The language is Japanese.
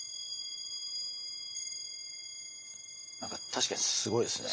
確かにすごいですね。